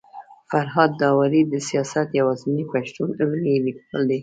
فرهاد داوري د سياست يوازنی پښتون علمي ليکوال دی